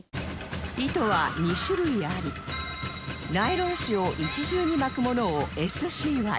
糸は２種類ありナイロン糸を１重に巻くものを ＳＣＹ